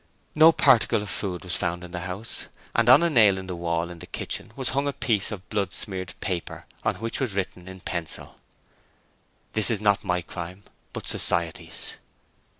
No particle of food was found in the house, and on a nail in the wall in the kitchen was hung a piece of blood smeared paper on which was written in pencil: 'This is not my crime, but society's.'